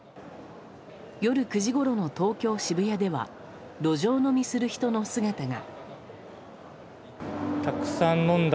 夜９時ごろの東京・渋谷では路上飲みする人の姿が。